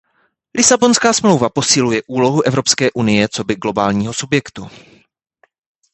Lisabonská smlouva posiluje úlohu Evropské unie coby globálního subjektu.